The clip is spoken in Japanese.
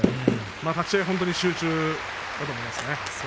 立ち合い、本当に集中することですね。